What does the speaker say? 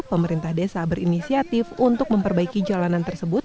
pemerintah desa berinisiatif untuk memperbaiki jalanan tersebut